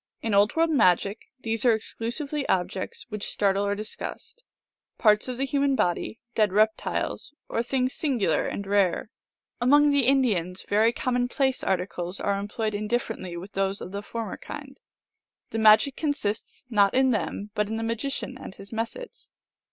In Old World magic these are exclusively objects which startle or disgust, parts of the human body, dead reptiles, or things singular and rare. Among the Indians, very commonplace articles are 352 THE ALGONQUIN LEGENDS. employed indifferently with those of the former kind. The magic consists not in them, but in the magician and his methods.